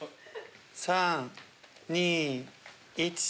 ３・２・１！